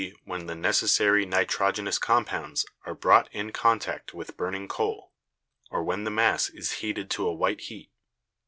when the necessary nitrogenous compounds are brought in con tact with burning coal, or when the mass is heated to a white heat.